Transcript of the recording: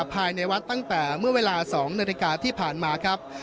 ภายในวัดตั้งแต่เมื่อเวลา๒นาฬิกาที่ผ่านมาครับ